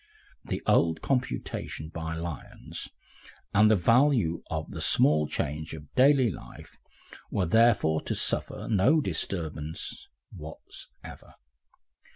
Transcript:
The old computation by Lions and the values of the small change of daily life were therefore to suffer no disturbance whatever.